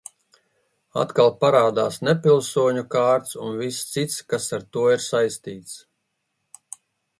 Atkal parādās nepilsoņu kārts un viss cits, kas ar to ir saistīts.